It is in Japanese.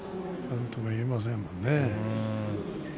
なんとも言えませんわね。